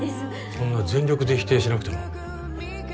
そんな全力で否定しなくても。